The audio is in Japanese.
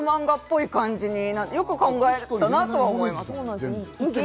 少女漫画っぽい感じ、よく考えたなと思います。